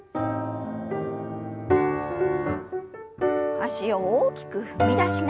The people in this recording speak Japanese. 脚を大きく踏み出しながら。